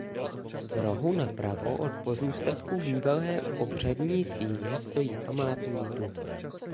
V rohu napravo od pozůstatků bývalé obřadní síně stojí památný dub.